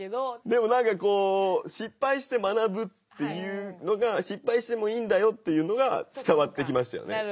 でも何かこう失敗して学ぶっていうのが失敗してもいいんだよっていうのが伝わってきましたよね。